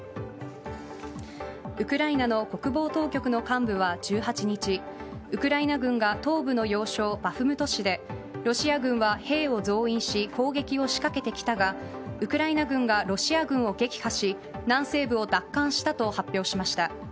ウクライナの国防当局の幹部は１８日ウクライナ軍が東部の要衝バフムト市でロシア軍は兵を増員し攻撃を仕掛けてきたがウクライナ軍がロシア軍を撃破し南西部を奪還したと発表しました。